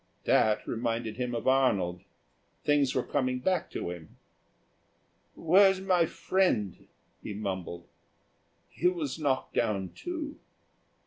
That reminded him of Arnold. Things were coming back to him. "Where's my friend?" he mumbled. "He was knocked down, too."